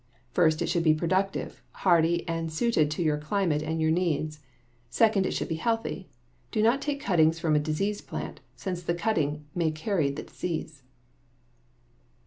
First, it should be productive, hardy, and suited to your climate and your needs; second, it should be healthy. Do not take cuttings from a diseased plant, since the cutting may carry the disease.